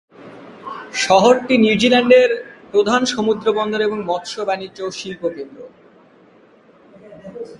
শহরটি নিউজিল্যান্ডের প্রধান সমুদ্র বন্দর এবং মৎস্য-, বাণিজ্য- ও শিল্প-কেন্দ্র।